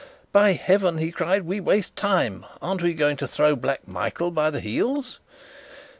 "By heaven!" he cried, "we waste time. Aren't we going to throw Black Michael by the heels?"